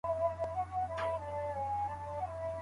څنګه کولای سو خپلو ماشومانو ته د سخت کار ارزښت ورزده کړو؟